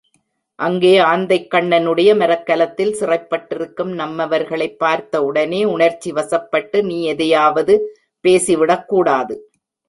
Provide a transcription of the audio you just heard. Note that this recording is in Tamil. அங்கே ஆந்தைக்கண்ணனுடைய மரக்கலத்தில் சிறைப்பட்டிருக்கும் நம்மவர்களைப் பார்த்த உடனே உணர்ச்சிவசப்பட்டு நீ எதையாவது பேசிவிடக் கூடாது.